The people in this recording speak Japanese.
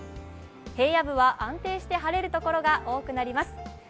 平野部は安定して晴れるところが多くなります。